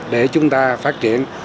để chúng ta phát triển